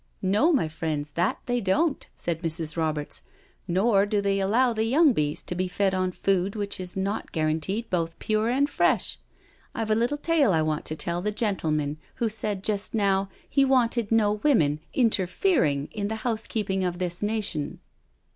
" No, my friends, that they don't," said Mrs. Roberts. " Nor do they allow the young bees to be fed on food which is not guaranteed both pure and fresh. I've a little tale I want to tell the gentleman who said just now he wanted no women ' interfering ' in the housekeeping of this nation.